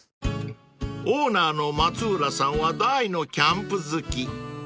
［オーナーの松浦さんは大のキャンプ好き］